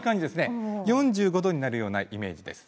４５度になるようなイメージです。